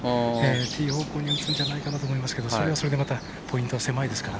ティー方向に打つんじゃないかと思います、それはそれでポイントは狭いですから。